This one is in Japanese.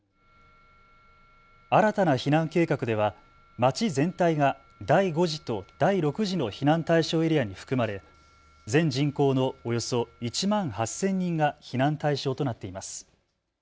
新たな避難計画では町全体が第５次と第６次の避難対象エリアに含まれ、全人口のおよそ１万８０００人が避難対象となっています。